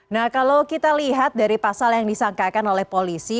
nah kalau kita lihat dari pasal yang disangkakan oleh polisi